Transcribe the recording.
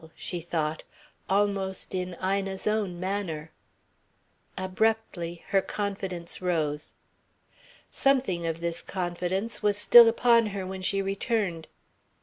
she thought, almost in Ina's own manner. Abruptly her confidence rose. Something of this confidence was still upon her when she returned.